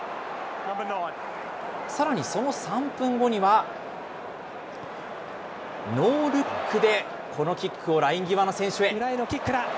さらにその３分後には、ノールックでこのキックをライン際の選手へ。